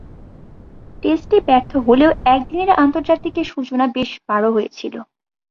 টেস্টে ব্যর্থ হলেও একদিনের আন্তর্জাতিকের সূচনা বেশ বারো হয়েছিল।